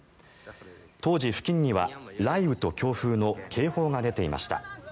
当時、付近には雷雨と強風の警報が出ていました。